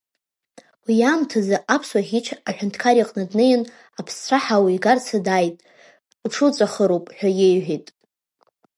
Уи аамҭазы аԥсуа ӷьыч аҳәынҭқар иҟны днеин, аԥсцәаҳа уигарцы дааит, уҽуҵәахыроуп ҳәа иеиҳәеит.